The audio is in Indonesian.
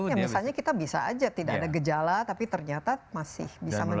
ya misalnya kita bisa aja tidak ada gejala tapi ternyata masih bisa menang